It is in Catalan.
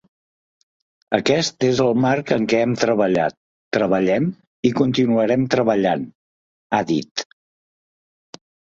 “Aquest és el marc en què hem treballat, treballem i continuarem treballant”, ha dit.